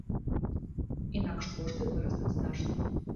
Інакш кошты вырастуць значна.